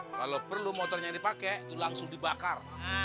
kalo perlu motornya yang dipake tuh langsung dibakar